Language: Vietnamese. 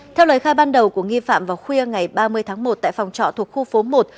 theo lời khai ban đầu của nghi phạm vào khuya ngày ba mươi tháng một tại phòng trọ thuộc khu phố một